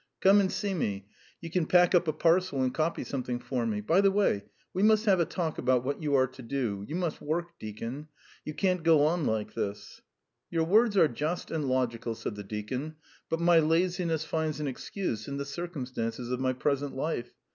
"Come and see me. You can pack up a parcel and copy something for me. By the way, we must have a talk about what you are to do. You must work, deacon. You can't go on like this." "Your words are just and logical," said the deacon. "But my laziness finds an excuse in the circumstances of my present life.